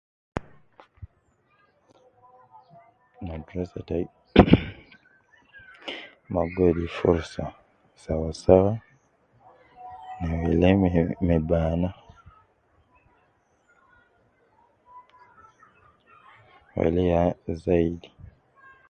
Madrasa tayi, hhh, guwedi furusa sawasawa na wele me bana. Wele ya zaidi.